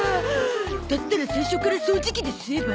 だったら最初からそうじ機で吸えば？